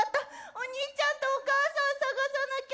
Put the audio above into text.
お兄ちゃんとお母さん捜さなきゃ。